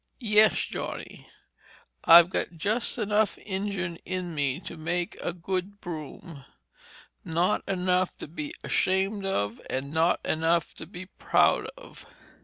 "Yes, Johnny, I've got just enough Injun in me to make a good broom; not enough to be ashamed of and not enough to be proud of.